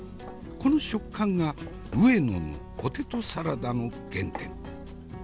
この食感が上野のポテトサラダの原点。